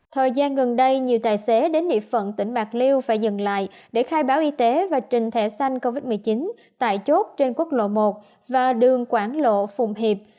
thời gian gần đây nhiều tài xế đến địa phận tỉnh bạc liêu phải dừng lại để khai báo y tế và trình thẻ xanh covid một mươi chín tại chốt trên quốc lộ một và đường quảng lộ phùng hiệp